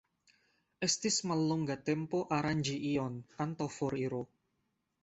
Estis mallonga tempo aranĝi ion antaŭ foriro.